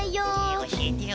えおしえてよ。